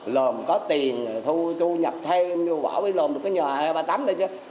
lồn có tiền thu nhập thêm bỏ với lồn được cái nhà hai mươi tám đó chứ